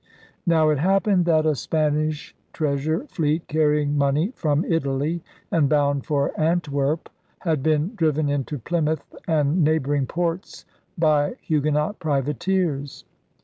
Now it happened that a Spanish treasure fleet, carrying money from Italy and bound for Antwerp, had been driven into Plymouth and neighboring ports by Huguenot privateers.